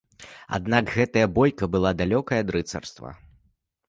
Аднак гэтая бойка была далёкай ад рыцарства.